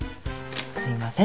すいません。